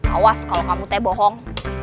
awas kalau kamu teh bohong